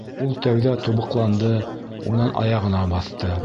Ул тәүҙә тубыҡланды, унан аяғына баҫты.